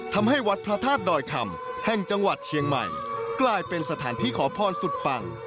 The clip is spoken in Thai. ทำให้วัดพระธาตุดอยคำแห่งจังหวัดเชียงใหม่กลายเป็นสถานที่ขอพรสุดปัง